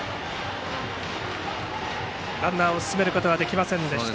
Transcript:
ランナーを進めることはできませんでした。